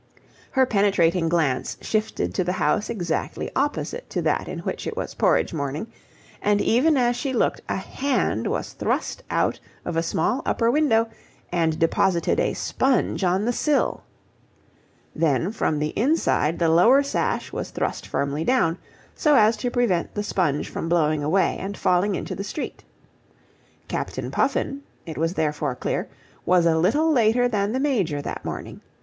Her penetrating glance shifted to the house exactly opposite to that in which it was porridge morning, and even as she looked a hand was thrust out of a small upper window and deposited a sponge on the sill. Then from the inside the lower sash was thrust firmly down, so as to prevent the sponge from blowing away and falling into the street. Captain Puffin, it was therefore clear, was a little later than the Major that morning.